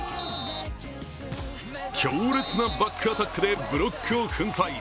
強烈なバックアタックでブロックを粉砕。